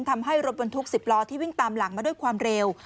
ทำให้รถบรรทุก๑๐ล้อที่วิ่งตามหลังมาด้วยความเร็ว